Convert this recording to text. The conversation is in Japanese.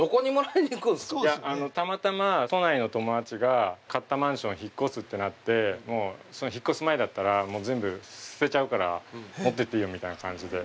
いやたまたま都内の友達が買ったマンションを引っ越すってなってその引っ越す前だったら全部捨てちゃうから持っていっていいよみたいな感じで。